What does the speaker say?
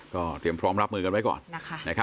ก็เตรียมพร้อมรับมือกันไว้ก่อนนะคะ